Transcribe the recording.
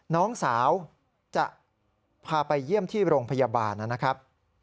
น้องสาวจะพาไปเยี่ยมที่โรงพยาบาลนะครับ